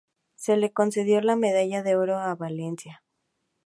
Se le concedió la Medalla de Oro de Valencia.